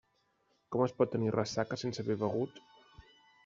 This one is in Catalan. Com es pot tenir ressaca sense haver begut?